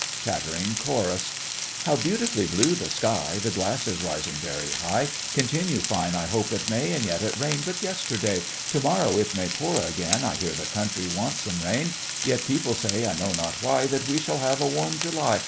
Chattering chorus How beautifully blue the sky, The glass is rising very high, Continue fine I hope it may, And yet it rained but yesterday. To morrow it may pour again (I hear the country wants some rain), Yet people say, I know not why, That we shall have a warm July.